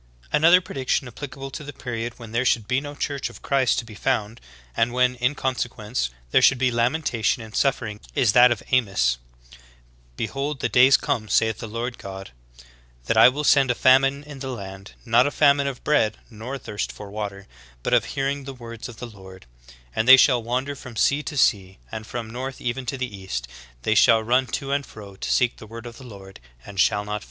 24. Another prediction applicable to the period when there should be no Church of Christ to be found, and when, in consequence there should be lamentation and suffering, is that of Amos : "Behold, the days come, saith the Lord God, that I will send a famine in the land, not a famine of bread, nor a thirst for water, but of hearing the words of the Lord ; And they shall wander from sea to sea, and from \ i Verses 23 29. /Verse 19. * Hebrews 13:20.